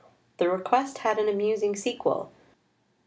The request had an amusing sequel.